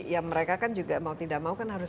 ya mereka kan juga mau tidak mau kan harus